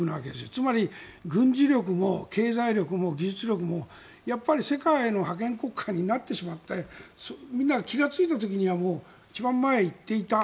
つまり軍事力も経済力も技術力もやっぱり世界の覇権国家になってしまってみんな気がついた時には一番前に行っていた。